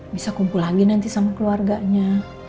bisa kumpul lagi nanti sama keluarganya